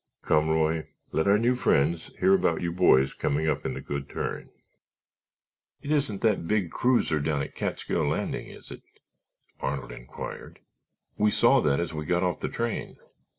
Come, Roy, let our new friends hear about you boys coming up in the Good Turn." "It isn't that big cruiser down at Catskill Landing, is it?" Arnold inquired. "We saw that as we got off the train."